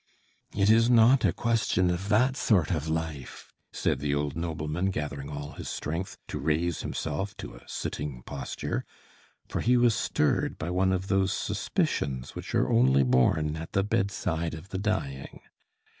"It is not a question of that sort of life," said the old nobleman, gathering all his strength to raise himself to a sitting posture, for he was stirred by one of those suspicions which are only born at the bedside of the dying.